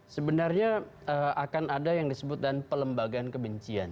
sebenarnya akan ada yang disebutkan pelembagaan kebencian